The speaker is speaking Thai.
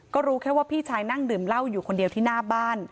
ก็รู้แค่ว่าพี่ชายนั่งดื่มเหล้าอยู่คนเดียวที่หน้าบ้าน